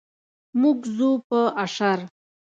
موږ ځو په اشر.